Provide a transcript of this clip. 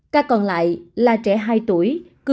các còn lại là trẻ hai tuổi